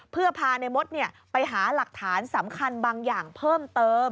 เพื่อพาในมดไปหาหลักฐานสำคัญบางอย่างเพิ่มเติม